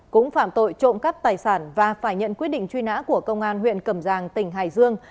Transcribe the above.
cũng phạm tội trộm cắp tài sản và phải nhận quyết định truy nã của công an huyện cầm giang tỉnh hải dương